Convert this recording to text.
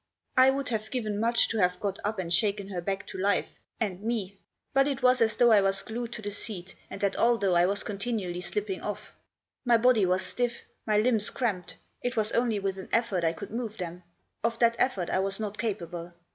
I would have given much to have got up and shaken her back to life, and me. But it was as though I was glued to the seat, and that although I was con tinually slipping off. My body was stiff, my limbs cramped ; it was only with an effort I could move them ; of that effort I was not capable.